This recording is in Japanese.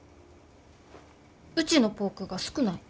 うちのポークが少ない。